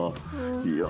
いや